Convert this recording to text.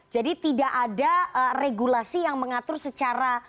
jadi tidak ada regulasi yang mengatur secara